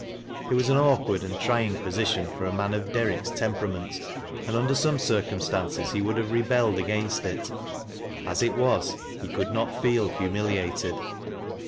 It was an awkward and tiying position for a man of Derrick's temperament, and a:ider some circumstances he would Jiave rebelled againsl it ; as it was, he could not feel humiliated.